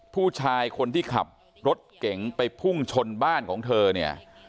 ผู้ชายคนที่ขับรถเก๋งไปพุ่งชนบ้านของเธอเนี่ย